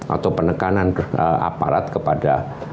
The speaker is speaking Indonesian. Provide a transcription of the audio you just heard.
atau penekanan aparat kepada